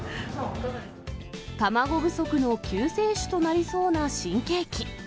卵不足の救世主となりそうな新ケーキ。